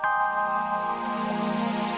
nah bize bedak